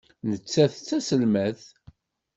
Nettat d taselmadt.